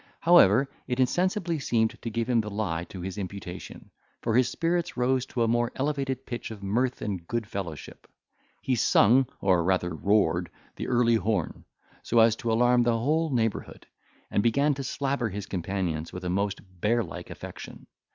However, it insensibly seemed to give the lie to his imputation; for his spirits rose to a more elevated pitch of mirth and good fellowship; he sung, or rather roared, the Early Horn, so as to alarm the whole neighbourhood, and began to slabber his companions with a most bear like affection.